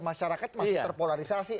masyarakat masih terpolarisasi